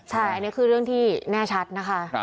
ใช่อันนี้คือเรื่องที่แน่ชัดนะคะ